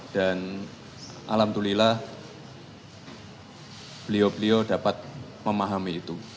dan alhamdulillah beliau beliau dapat memahami itu